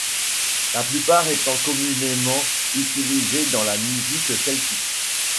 La plupart étant communément utilisé dans la musique celtique.